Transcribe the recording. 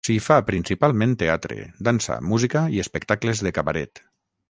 S'hi fa principalment teatre, dansa, música i espectacles de cabaret.